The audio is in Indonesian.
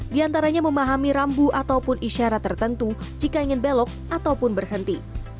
di antaranya memahami rambu ataupun isyarat tertentu jika ingin belok ataupun berhenti